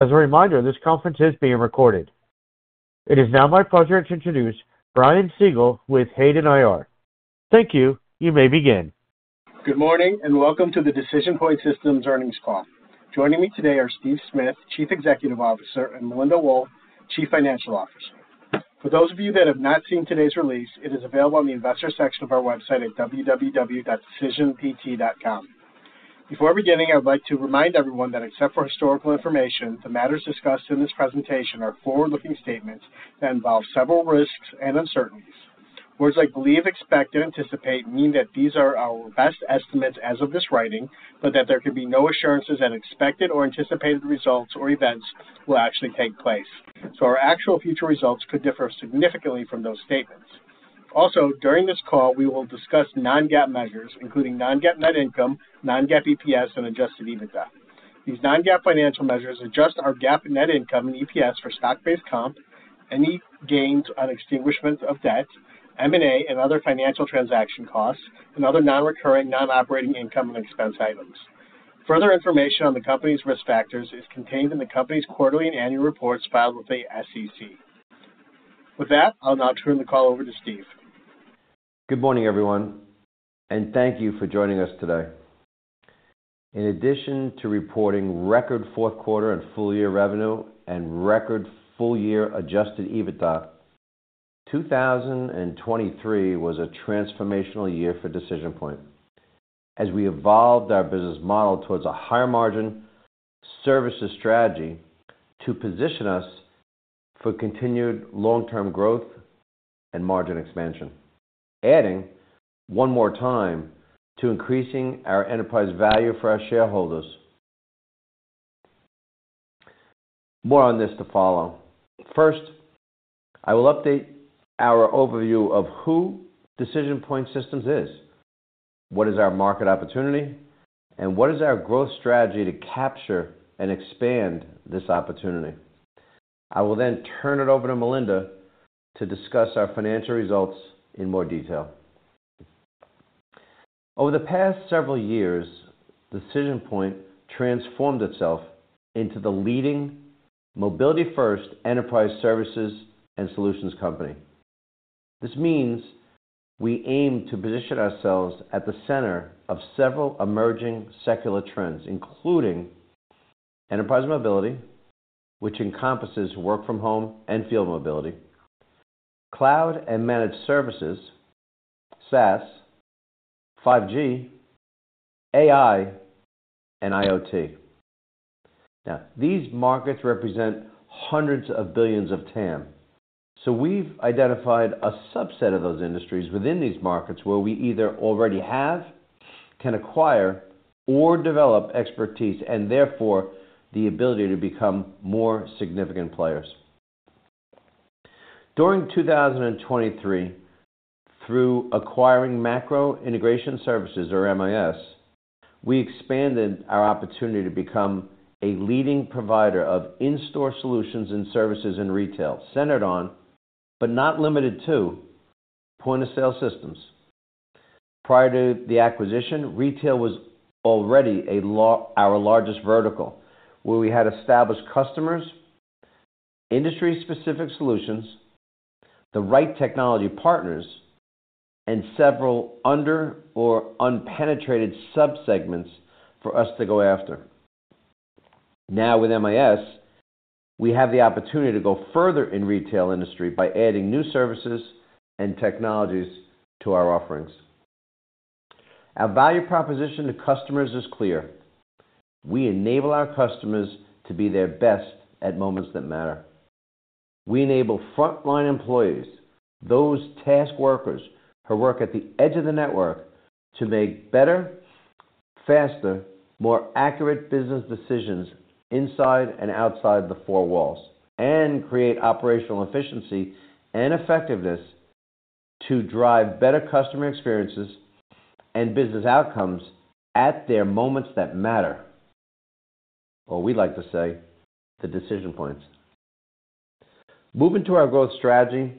As a reminder, this conference is being recorded. It is now my pleasure to introduce Brian Siegel with Hayden IR. Thank you, you may begin. Good morning and welcome to the DecisionPoint Systems Earnings Call. Joining me today are Steve Smith, Chief Executive Officer, and Melinda Wohl, Chief Financial Officer. For those of you that have not seen today's release, it is available on the investor section of our website at www.decisionpt.com. Before beginning, I would like to remind everyone that except for historical information, the matters discussed in this presentation are forward-looking statements that involve several risks and uncertainties. Words like believe, expect, and anticipate mean that these are our best estimates as of this writing, but that there can be no assurances that expected or anticipated results or events will actually take place. So our actual future results could differ significantly from those statements. Also, during this call, we will discuss non-GAAP measures, including non-GAAP net income, non-GAAP EPS, and adjusted EBITDA. These non-GAAP financial measures adjust our GAAP net income and EPS for stock-based comp, any gains on extinguishment of debt, M&A, and other financial transaction costs, and other non-recurring, non-operating income and expense items. Further information on the company's risk factors is contained in the company's quarterly and annual reports filed with the SEC. With that, I'll now turn the call over to Steve. Good morning, everyone, and thank you for joining us today. In addition to reporting record fourth quarter and full year revenue and record full year adjusted EBITDA, 2023 was a transformational year for DecisionPoint. As we evolved our business model towards a higher margin services strategy to position us for continued long-term growth and margin expansion, adding one more time to increasing our enterprise value for our shareholders. More on this to follow. First, I will update our overview of who DecisionPoint Systems is, what is our market opportunity, and what is our growth strategy to capture and expand this opportunity. I will then turn it over to Melinda to discuss our financial results in more detail. Over the past several years, DecisionPoint transformed itself into the leading mobility-first enterprise services and solutions company. This means we aim to position ourselves at the center of several emerging secular trends, including enterprise mobility, which encompasses work-from-home and field mobility, cloud and managed services, SaaS, 5G, AI, and IoT. Now, these markets represent hundreds of billions of TAM. So we've identified a subset of those industries within these markets where we either already have, can acquire, or develop expertise, and therefore the ability to become more significant players. During 2023, through acquiring Macro Integration Services, or MIS, we expanded our opportunity to become a leading provider of in-store solutions and services in retail, centered on, but not limited to, point-of-sale systems. Prior to the acquisition, retail was already our largest vertical, where we had established customers, industry-specific solutions, the right technology partners, and several under- or unpenetrated subsegments for us to go after. Now, with MIS, we have the opportunity to go further in retail industry by adding new services and technologies to our offerings. Our value proposition to customers is clear. We enable our customers to be their best at moments that matter. We enable frontline employees, those task workers who work at the edge of the network, to make better, faster, more accurate business decisions inside and outside the four walls, and create operational efficiency and effectiveness to drive better customer experiences and business outcomes at their moments that matter, or we like to say, the DecisionPoints. Moving to our growth strategy,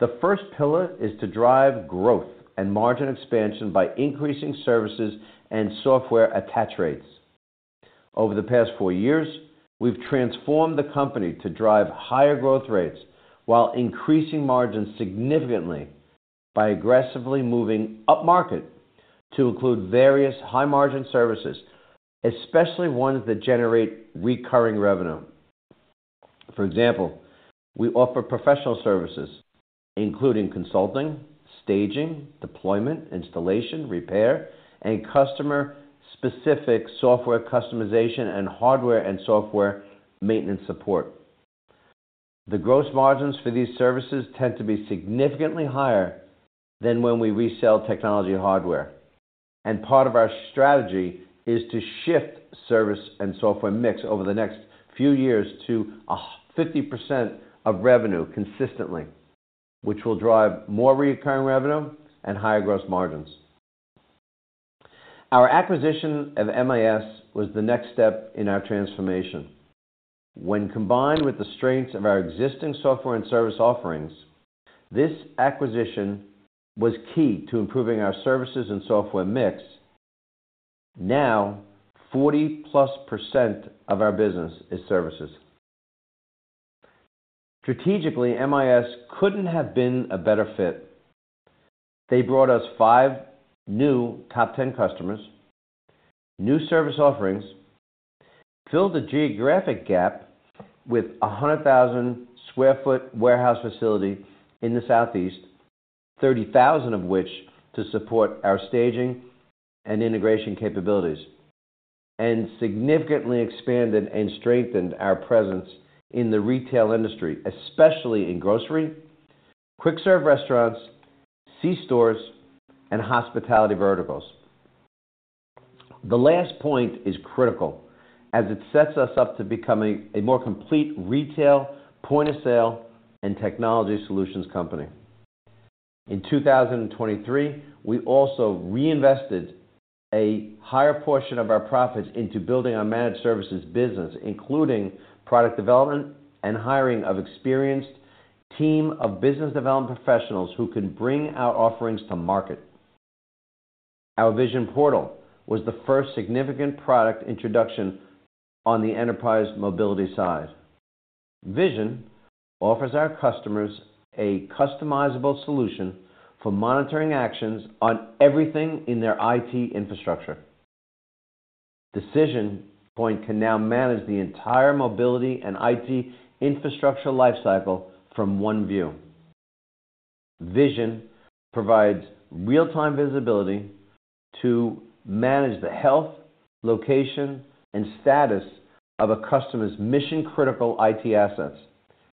the first pillar is to drive growth and margin expansion by increasing services and software attach rates. Over the past four years, we've transformed the company to drive higher growth rates while increasing margins significantly by aggressively moving up market to include various high-margin services, especially ones that generate recurring revenue. For example, we offer professional services, including consulting, staging, deployment, installation, repair, and customer-specific software customization and hardware and software maintenance support. The gross margins for these services tend to be significantly higher than when we resell technology hardware. Part of our strategy is to shift service and software mix over the next few years to 50% of revenue consistently, which will drive more recurring revenue and higher gross margins. Our acquisition of MIS was the next step in our transformation. When combined with the strengths of our existing software and service offerings, this acquisition was key to improving our services and software mix. Now, 40%+ of our business is services. Strategically, MIS couldn't have been a better fit. They brought us five new top-10 customers, new service offerings, filled the geographic gap with 100,000-square-foot warehouse facility in the southeast, 30,000 of which to support our staging and integration capabilities, and significantly expanded and strengthened our presence in the retail industry, especially in grocery, quick-serve restaurants, C-stores, and hospitality verticals. The last point is critical as it sets us up to become a more complete retail, point-of-sale, and technology solutions company. In 2023, we also reinvested a higher portion of our profits into building our managed services business, including product development and hiring of experienced team of business development professionals who can bring our offerings to market. Our Vision Portal was the first significant product introduction on the enterprise mobility side. Vision offers our customers a customizable solution for monitoring actions on everything in their IT infrastructure. DecisionPoint can now manage the entire mobility and IT infrastructure lifecycle from one view. Vision provides real-time visibility to manage the health, location, and status of a customer's mission-critical IT assets,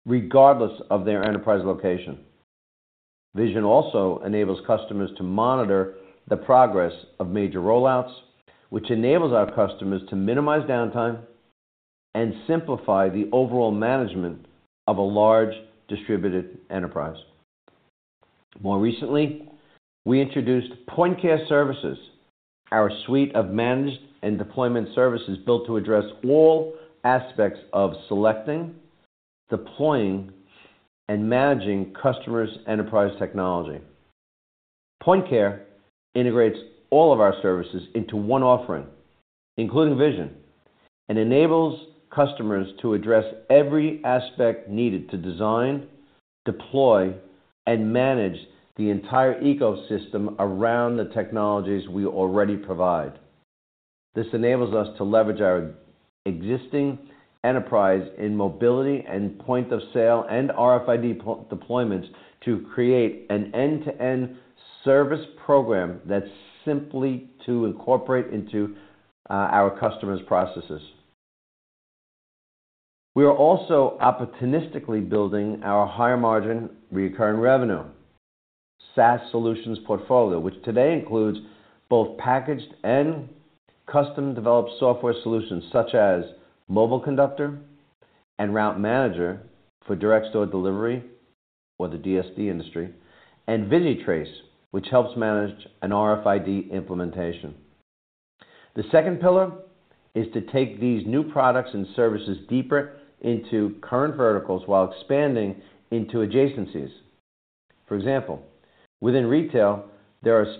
regardless of their enterprise location. Vision also enables customers to monitor the progress of major rollouts, which enables our customers to minimize downtime and simplify the overall management of a large distributed enterprise. More recently, we introduced PointCare Services, our suite of managed and deployment services built to address all aspects of selecting, deploying, and managing customers' enterprise technology. PointCare integrates all of our services into one offering, including Vision, and enables customers to address every aspect needed to design, deploy, and manage the entire ecosystem around the technologies we already provide. This enables us to leverage our existing expertise in mobility and point-of-sale and RFID deployments to create an end-to-end service program that's simple to incorporate into our customers' processes. We are also opportunistically building our higher-margin recurring revenue SaaS solutions portfolio, which today includes both packaged and custom-developed software solutions such as MobileConductor and RouteManager for direct-store delivery or the DSD industry, and ViziTrace, which helps manage an RFID implementation. The second pillar is to take these new products and services deeper into current verticals while expanding into adjacencies. For example, within retail, there are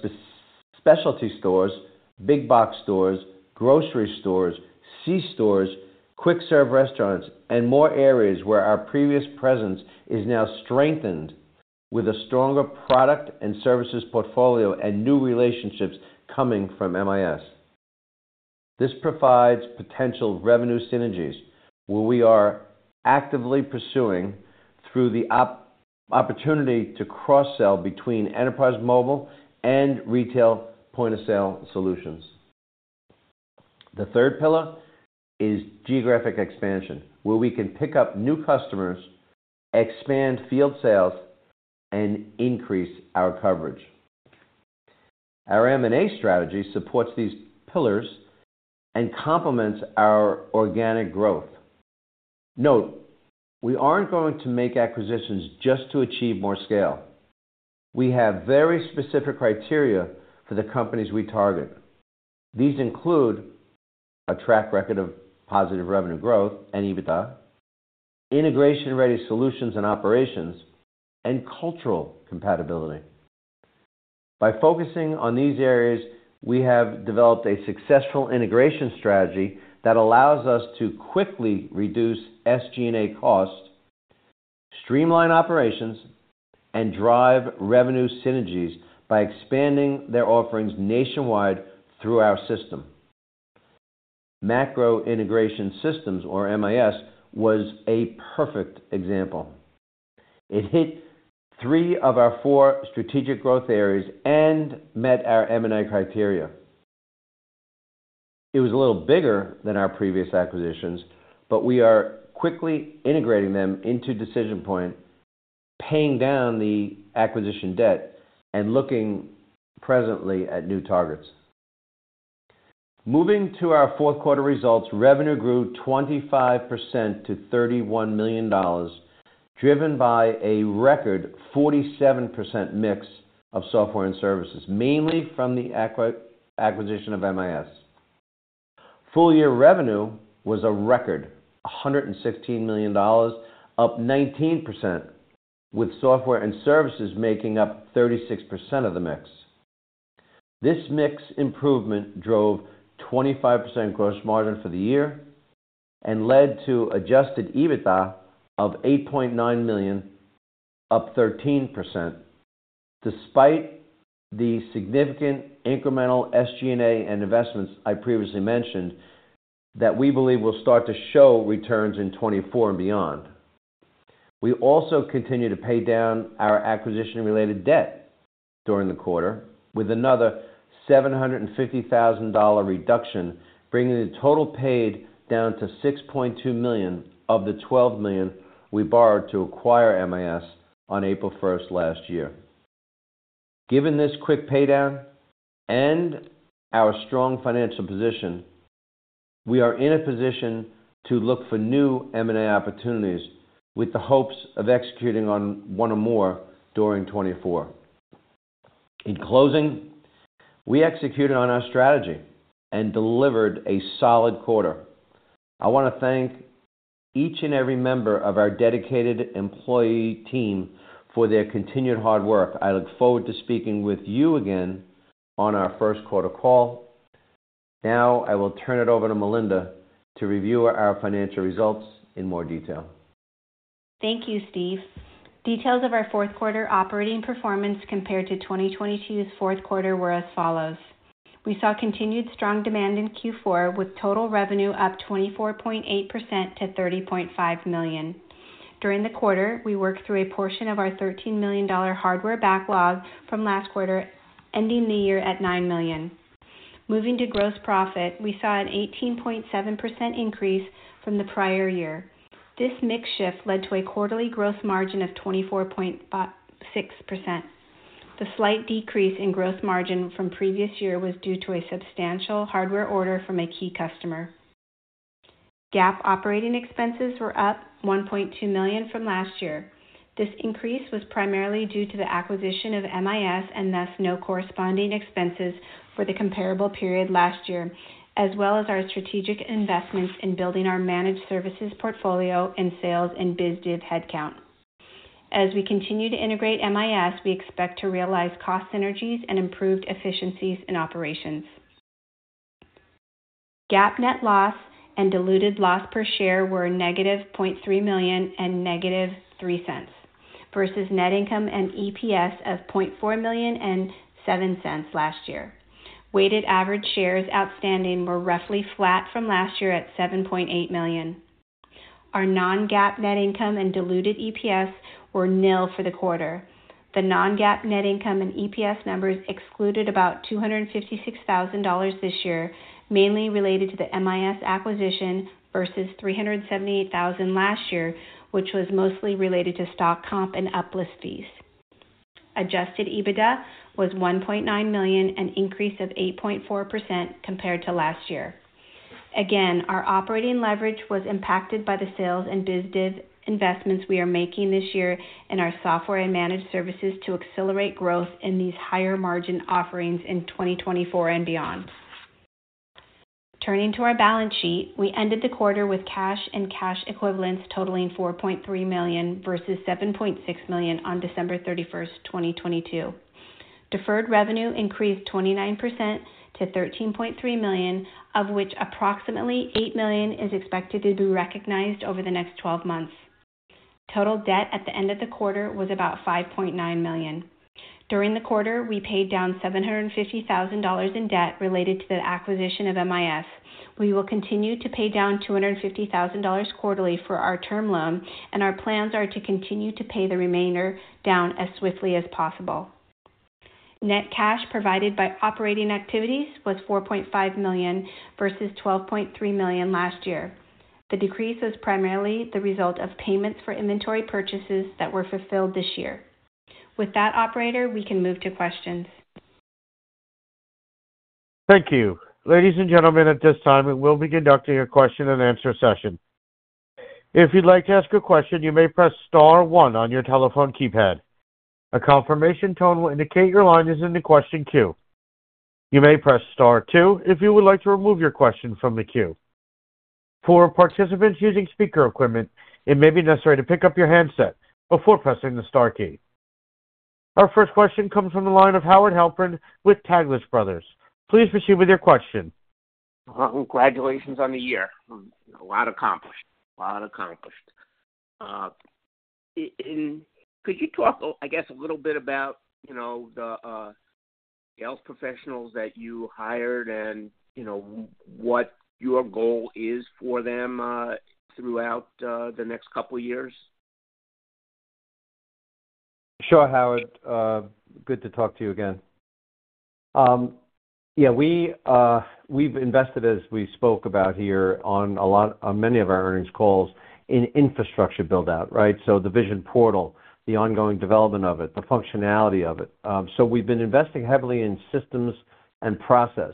specialty stores, big-box stores, grocery stores, C-stores, quick-serve restaurants, and more areas where our previous presence is now strengthened with a stronger product and services portfolio and new relationships coming from MIS. This provides potential revenue synergies where we are actively pursuing through the opportunity to cross-sell between enterprise mobile and retail point-of-sale solutions. The third pillar is geographic expansion, where we can pick up new customers, expand field sales, and increase our coverage. Our M&A strategy supports these pillars and complements our organic growth. Note, we aren't going to make acquisitions just to achieve more scale. We have very specific criteria for the companies we target. These include a track record of positive revenue growth and EBITDA, integration-ready solutions and operations, and cultural compatibility. By focusing on these areas, we have developed a successful integration strategy that allows us to quickly reduce SG&A costs, streamline operations, and drive revenue synergies by expanding their offerings nationwide through our system. Macro Integration Services, or MIS, was a perfect example. It hit three of our four strategic growth areas and met our M&A criteria. It was a little bigger than our previous acquisitions, but we are quickly integrating them into DecisionPoint, paying down the acquisition debt, and looking presently at new targets. Moving to our fourth quarter results, revenue grew 25% to $31 million, driven by a record 47% mix of software and services, mainly from the acquisition of MIS. Full year revenue was a record, $116 million, up 19%, with software and services making up 36% of the mix. This mix improvement drove 25% gross margin for the year and led to adjusted EBITDA of $8.9 million, up 13%, despite the significant incremental SG&A and investments I previously mentioned that we believe will start to show returns in 2024 and beyond. We also continue to pay down our acquisition-related debt during the quarter, with another $750,000 reduction bringing the total paid down to $6.2 million of the $12 million we borrowed to acquire MIS on April 1, last year. Given this quick paydown and our strong financial position, we are in a position to look for new M&A opportunities with the hopes of executing on one or more during 2024. In closing, we executed on our strategy and delivered a solid quarter. I want to thank each and every member of our dedicated employee team for their continued hard work. I look forward to speaking with you again on our first quarter call. Now, I will turn it over to Melinda to review our financial results in more detail. Thank you, Steve. Details of our fourth quarter operating performance compared to 2022 fourth quarter were as follows. We saw continued strong demand in Q4, with total revenue up 24.8% to $30.5 million. During the quarter, we worked through a portion of our $13 million hardware backlog from last quarter, ending the year at $9 million. Moving to gross profit, we saw an 18.7% increase from the prior year. This mix shift led to a quarterly gross margin of 24.6%. The slight decrease in gross margin from previous year was due to a substantial hardware order from a key customer. GAAP operating expenses were up $1.2 million from last year. This increase was primarily due to the acquisition of MIS and thus no corresponding expenses for the comparable period last year, as well as our strategic investments in building our managed services portfolio and sales and BizDev headcount. As we continue to integrate MIS, we expect to realize cost synergies and improved efficiencies in operations. GAAP net loss and diluted loss per share were -$0.3 million and -$0.03 versus net income and EPS of $0.4 million and $0.07 last year. Weighted average shares outstanding were roughly flat from last year at 7.8 million. Our non-GAAP net income and diluted EPS were nil for the quarter. The non-GAAP net income and EPS numbers excluded about $256,000 this year, mainly related to the MIS acquisition versus $378,000 last year, which was mostly related to stock comp and uplist fees. Adjusted EBITDA was $1.9 million, an increase of 8.4% compared to last year. Again, our operating leverage was impacted by the sales and BizDev investments we are making this year in our software and managed services to accelerate growth in these higher-margin offerings in 2024 and beyond. Turning to our balance sheet, we ended the quarter with cash and cash equivalents totaling $4.3 million versus $7.6 million on December 31, 2022. Deferred revenue increased 29% to $13.3 million, of which approximately $8 million is expected to be recognized over the next 12 months. Total debt at the end of the quarter was about $5.9 million. During the quarter, we paid down $750,000 in debt related to the acquisition of MIS. We will continue to pay down $250,000 quarterly for our term loan, and our plans are to continue to pay the remainder down as swiftly as possible. Net cash provided by operating activities was $4.5 million versus $12.3 million last year. The decrease was primarily the result of payments for inventory purchases that were fulfilled this year. With that operator, we can move to questions. Thank you. Ladies and gentlemen, at this time, we will be conducting a question-and-answer session. If you'd like to ask a question, you may press star one on your telephone keypad. A confirmation tone will indicate your line is in the question queue. You may press star two if you would like to remove your question from the queue. For participants using speaker equipment, it may be necessary to pick up your handset before pressing the star key. Our first question comes from the line of Howard Halpern with Taglich Brothers. Please proceed with your question. Congratulations on the year. A lot accomplished. A lot accomplished. Could you talk, I guess, a little bit about the sales professionals that you hired and what your goal is for them throughout the next couple of years? Sure, Howard. Good to talk to you again. Yeah, we've invested, as we spoke about here on many of our earnings calls, in infrastructure buildout, right? So the Vision Portal, the ongoing development of it, the functionality of it. So we've been investing heavily in systems and process.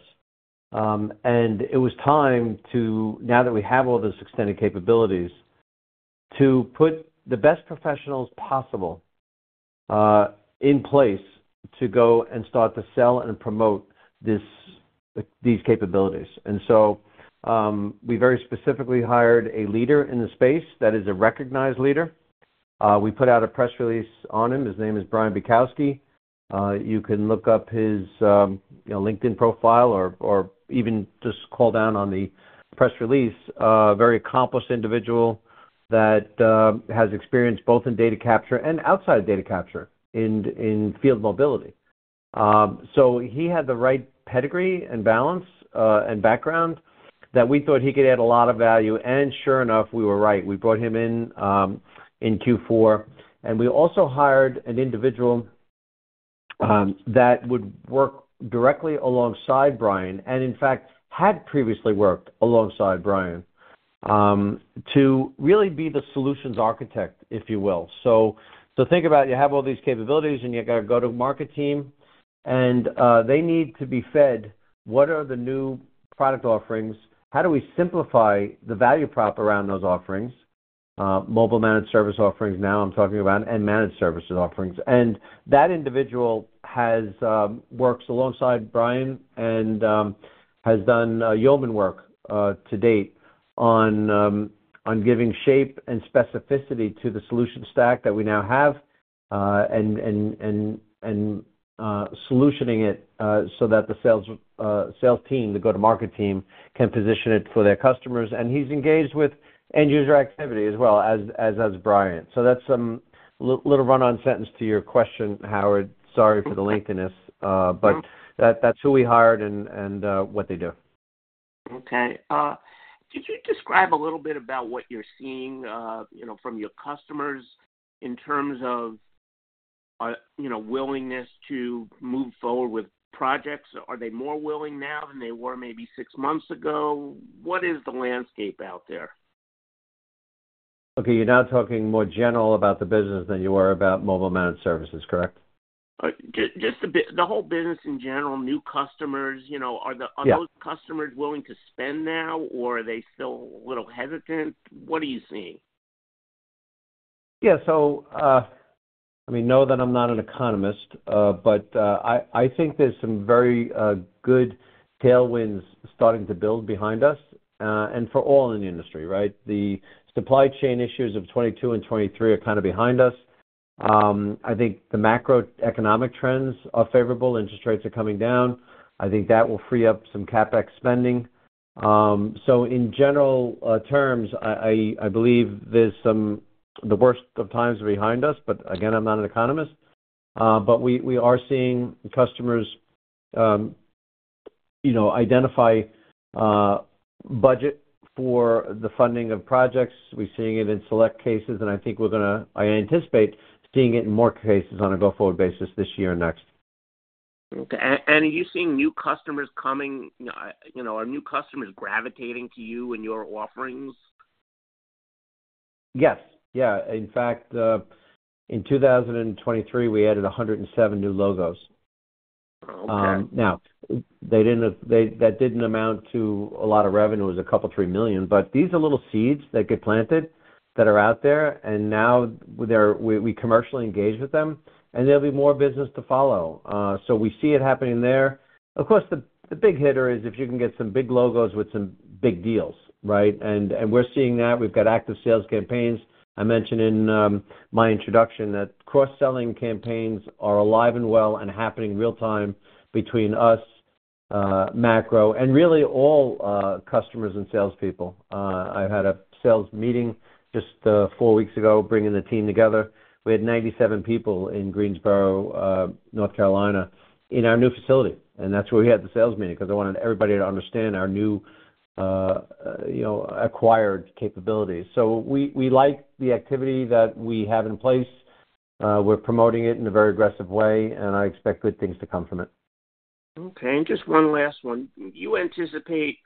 And it was time to, now that we have all these extended capabilities, to put the best professionals possible in place to go and start to sell and promote these capabilities. And so we very specifically hired a leader in the space that is a recognized leader. We put out a press release on him. His name is Brian Bukowski. You can look up his LinkedIn profile or even just call down on the press release. Very accomplished individual that has experience both in data capture and outside of data capture in field mobility. So he had the right pedigree and balance and background that we thought he could add a lot of value. And sure enough, we were right. We brought him in Q4. And we also hired an individual that would work directly alongside Brian and, in fact, had previously worked alongside Brian to really be the solutions architect, if you will. So think about it. You have all these capabilities, and you got to go to a market team. And they need to be fed. What are the new product offerings? How do we simplify the value prop around those offerings, mobile managed service offerings, now I'm talking about, and managed services offerings? That individual works alongside Brian and has done yeoman work to date on giving shape and specificity to the solution stack that we now have and solutioning it so that the sales team, the go-to-market team, can position it for their customers. He's engaged with end-user activity as well as Brian. That's a little run-on sentence to your question, Howard. Sorry for the lengthiness, but that's who we hired and what they do. Okay. Could you describe a little bit about what you're seeing from your customers in terms of willingness to move forward with projects? Are they more willing now than they were maybe six months ago? What is the landscape out there? Okay. You're now talking more general about the business than you were about mobile managed services, correct? Just the whole business in general, new customers. Are those customers willing to spend now, or are they still a little hesitant? What are you seeing? Yeah. So I mean, know that I'm not an economist, but I think there's some very good tailwinds starting to build behind us and for all in the industry, right? The supply chain issues of 2022 and 2023 are kind of behind us. I think the macroeconomic trends are favorable. Interest rates are coming down. I think that will free up some CapEx spending. So in general terms, I believe there's some the worst of times are behind us, but again, I'm not an economist. But we are seeing customers identify budget for the funding of projects. We're seeing it in select cases, and I think we're going to I anticipate seeing it in more cases on a go-forward basis this year and next. Okay. Are you seeing new customers coming are new customers gravitating to you and your offerings? Yes. Yeah. In fact, in 2023, we added 107 new logos. Now, that didn't amount to a lot of revenue. It was a couple of $3 million. But these are little seeds that get planted that are out there, and now we commercially engage with them, and there'll be more business to follow. So we see it happening there. Of course, the big hitter is if you can get some big logos with some big deals, right? And we're seeing that. We've got active sales campaigns. I mentioned in my introduction that cross-selling campaigns are alive and well and happening real-time between us, macro, and really all customers and salespeople. I had a sales meeting just four weeks ago bringing the team together. We had 97 people in Greensboro, North Carolina, in our new facility. That's where we had the sales meeting because I wanted everybody to understand our new acquired capabilities. We like the activity that we have in place. We're promoting it in a very aggressive way, and I expect good things to come from it. Okay. Just one last one. You anticipate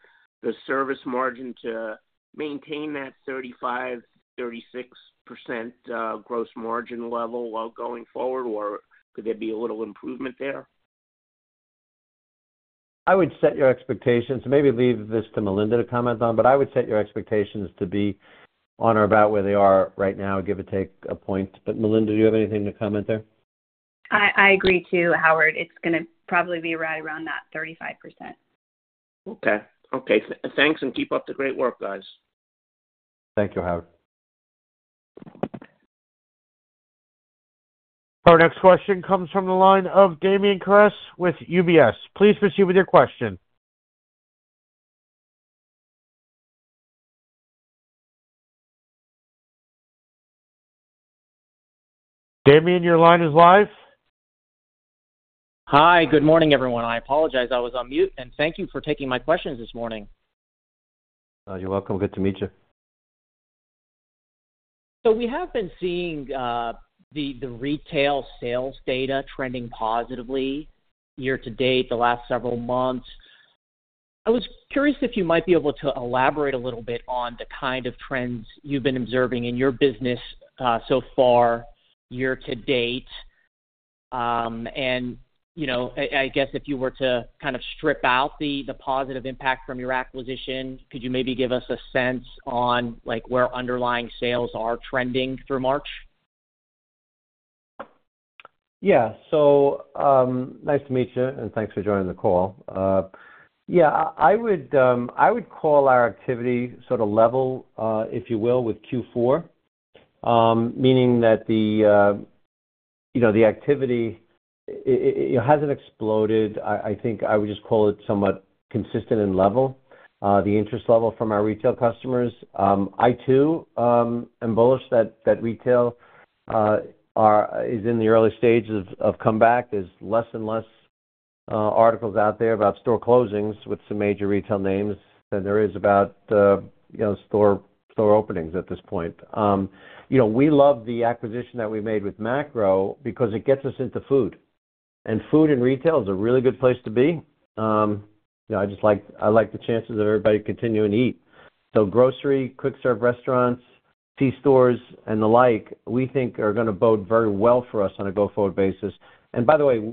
the service margin to maintain that 35%-36% gross margin level going forward, or could there be a little improvement there? I would set your expectations, maybe leave this to Melinda to comment on, but I would set your expectations to be on or about where they are right now, give or take a point. But Melinda, do you have anything to comment there? I agree too, Howard. It's going to probably be right around that 35%. Okay. Okay. Thanks, and keep up the great work, guys. Thank you, Howard. Our next question comes from the line of Damian Karas with UBS. Please proceed with your question. Damien, your line is live. Hi. Good morning, everyone. I apologize. I was on mute, and thank you for taking my questions this morning. You're welcome. Good to meet you. We have been seeing the retail sales data trending positively year to date, the last several months. I was curious if you might be able to elaborate a little bit on the kind of trends you've been observing in your business so far year to date? I guess if you were to kind of strip out the positive impact from your acquisition, could you maybe give us a sense on where underlying sales are trending through March? Yeah. So nice to meet you, and thanks for joining the call. Yeah, I would call our activity sort of level, if you will, with Q4, meaning that the activity hasn't exploded. I think I would just call it somewhat consistent and level, the interest level from our retail customers. I too emphasize that retail is in the early stages of comeback. There's less and less articles out there about store closings with some major retail names than there is about store openings at this point. We love the acquisition that we made with macro because it gets us into food. And food and retail is a really good place to be. I just like the chances of everybody continuing to eat. So grocery, quick-serve restaurants, C-stores, and the like, we think are going to bode very well for us on a go-forward basis. And by the way,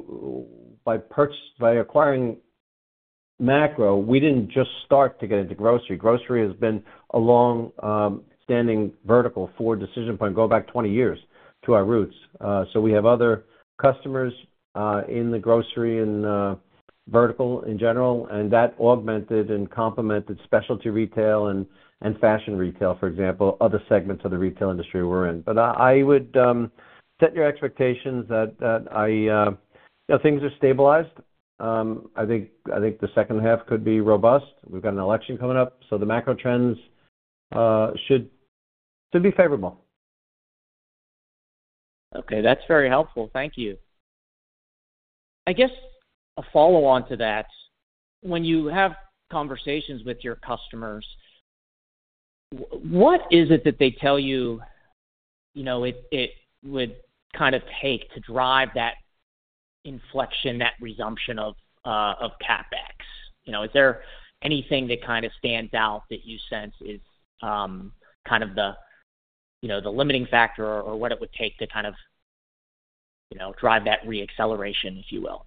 by acquiring macro, we didn't just start to get into grocery. Grocery has been a long-standing vertical for DecisionPoint, going back 20 years to our roots. So we have other customers in the grocery and vertical in general, and that augmented and complemented specialty retail and fashion retail, for example, other segments of the retail industry we're in. But I would set your expectations that things are stabilized. I think the second half could be robust. We've got an election coming up, so the macro trends should be favorable. Okay. That's very helpful. Thank you. I guess a follow-on to that, when you have conversations with your customers, what is it that they tell you it would kind of take to drive that inflection, that resumption of CapEx? Is there anything that kind of stands out that you sense is kind of the limiting factor or what it would take to kind of drive that reacceleration, if you will?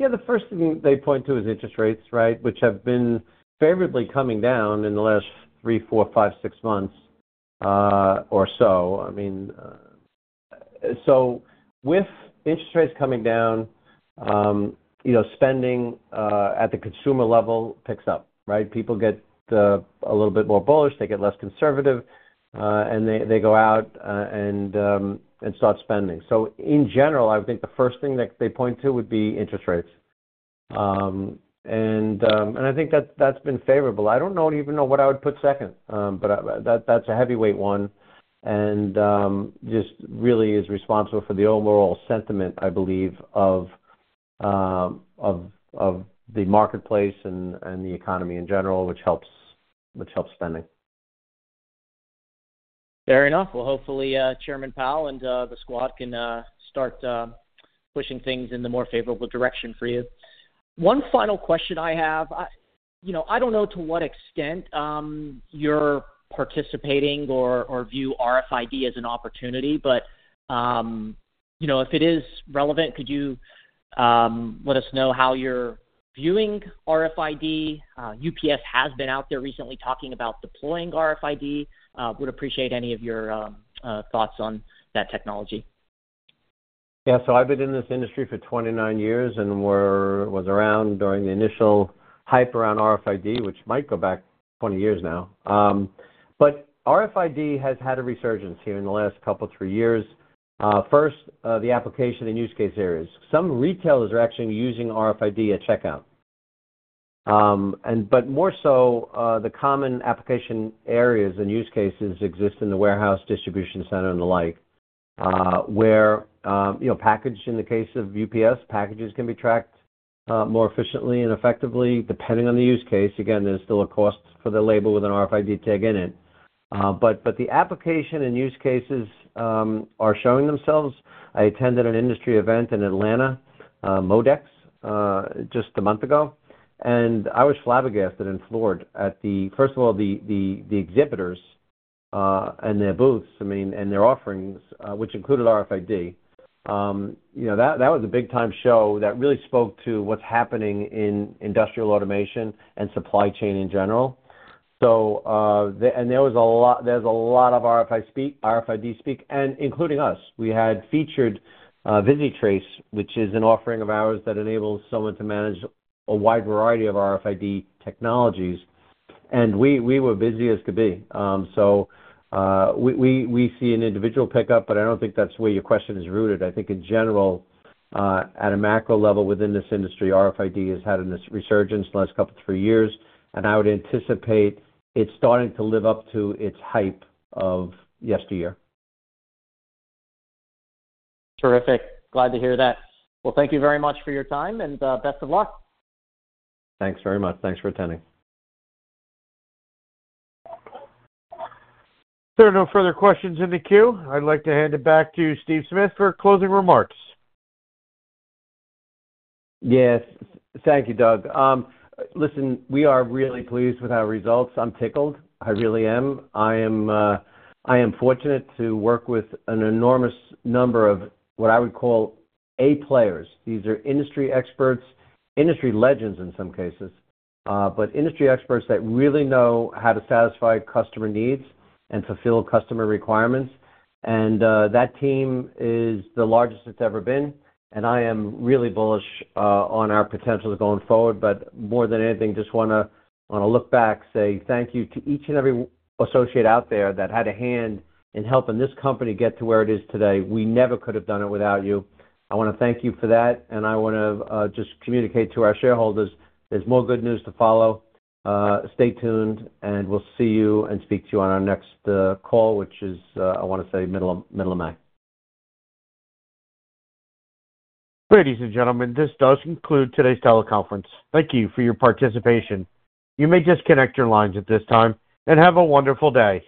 Yeah. The first thing they point to is interest rates, right, which have been favorably coming down in the last 3, 4, 5, 6 months or so. I mean, so with interest rates coming down, spending at the consumer level picks up, right? People get a little bit more bullish. They get less conservative, and they go out and start spending. So in general, I would think the first thing that they point to would be interest rates. And I think that's been favorable. I don't even know what I would put second, but that's a heavyweight one and just really is responsible for the overall sentiment, I believe, of the marketplace and the economy in general, which helps spending. Fair enough. Well, hopefully, Chairman Powell and the squad can start pushing things in the more favorable direction for you. One final question I have. I don't know to what extent you're participating or view RFID as an opportunity, but if it is relevant, could you let us know how you're viewing RFID? UPS has been out there recently talking about deploying RFID. Would appreciate any of your thoughts on that technology. Yeah. So I've been in this industry for 29 years and was around during the initial hype around RFID, which might go back 20 years now. But RFID has had a resurgence here in the last couple, three years. First, the application and use case areas. Some retailers are actually using RFID at checkout, but more so, the common application areas and use cases exist in the warehouse, distribution center, and the like, where packages, in the case of UPS, packages can be tracked more efficiently and effectively depending on the use case. Again, there's still a cost for the label with an RFID tag in it. But the application and use cases are showing themselves. I attended an industry event in Atlanta, MODEX, just a month ago, and I was flabbergasted and floored at, first of all, the exhibitors and their booths, I mean, and their offerings, which included RFID. That was a big-time show that really spoke to what's happening in industrial automation and supply chain in general. And there was a lot of RFID speak, including us. We had featured ViziTrace, which is an offering of ours that enables someone to manage a wide variety of RFID technologies, and we were busy as could be. So we see an individual pickup, but I don't think that's where your question is rooted. I think, in general, at a macro level within this industry, RFID has had a resurgence the last couple, three years, and I would anticipate it's starting to live up to its hype of yesteryear. Terrific. Glad to hear that. Well, thank you very much for your time, and best of luck. Thanks very much. Thanks for attending. There are no further questions in the queue. I'd like to hand it back to Steve Smith for closing remarks. Yes. Thank you, Doug. Listen, we are really pleased with our results. I'm tickled. I really am. I am fortunate to work with an enormous number of what I would call A players. These are industry experts, industry legends in some cases, but industry experts that really know how to satisfy customer needs and fulfill customer requirements. And that team is the largest it's ever been, and I am really bullish on our potential going forward, but more than anything, just want to look back, say thank you to each and every associate out there that had a hand in helping this company get to where it is today. We never could have done it without you. I want to thank you for that, and I want to just communicate to our shareholders there's more good news to follow. Stay tuned, and we'll see you and speak to you on our next call, which is, I want to say, middle of May. Ladies and gentlemen, this does conclude today's teleconference. Thank you for your participation. You may disconnect your lines at this time and have a wonderful day.